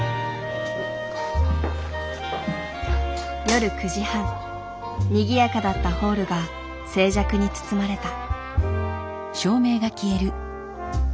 夜９時半にぎやかだったホールが静寂に包まれた。